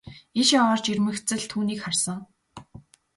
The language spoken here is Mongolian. Ийшээ орж ирмэгц л түүнийг харсан.